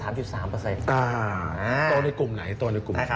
อ่าโตในกลุ่มไหนโตในกลุ่มไหน